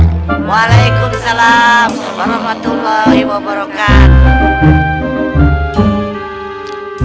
waalaikumsalam warahmatullahi wabarakatuh